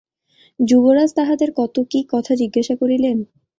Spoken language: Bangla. যুবরাজ তাহাদের কত কি কথা জিজ্ঞাসা করিলেন।